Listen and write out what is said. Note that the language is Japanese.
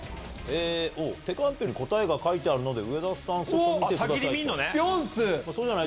手カンペに答えが書いてあるので、上田さん、先に見てください。